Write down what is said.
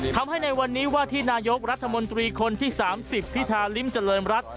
ทำให้ในวันนี้ว่าที่นายกรัฐมนตรีคนที่๓๐พิธาริมเจริญรัฐ